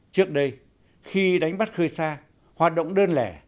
trước đây khi đánh bắt khơi xa hoạt động đơn lẻ